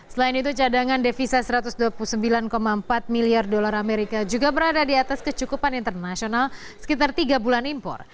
selain itu cadangan devisa satu ratus dua puluh sembilan empat miliar dolar amerika juga berada di atas kecukupan internasional sekitar tiga bulan impor